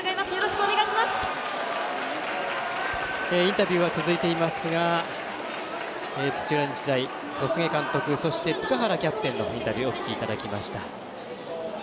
インタビューは続いていますが土浦日大、小菅監督そして、塚原キャプテンのインタビューをお聞きいただきました。